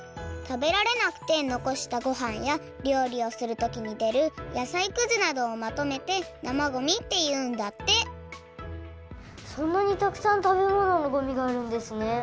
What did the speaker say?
食べられなくてのこしたごはんやりょうりをするときにでるやさいくずなどをまとめて生ごみっていうんだってそんなにたくさん食べ物のごみがあるんですね。